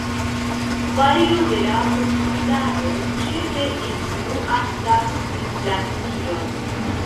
Vario de la postulado ĉefe influas la inflacion.